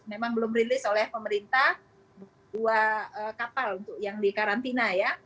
memang belum rilis oleh pemerintah dua kapal untuk yang dikarantina ya